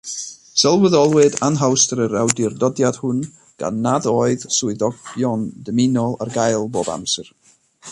Sylweddolwyd anhawster yr awdurdodiad hwn, gan nad oedd swyddogion dymunol ar gael bob amser.